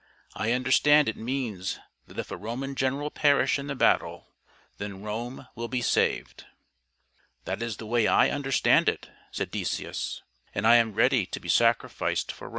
I understand it means that if a Roman general perish in the battle, then Rome will be saved." " That is the way I understand it," said Decius ;" and I am ready to be sacrificed for Rome."